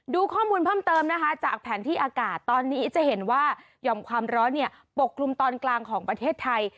ดูข้อมูลเพิ่มเติมนะคะจากแผนที่อากาศตอนนี้จะเห็นว่าหย่อมความร้อนปกคลุมตอนกลางของประเทศไทย